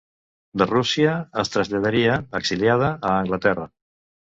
De Rússia es traslladaria, exiliada, a Anglaterra.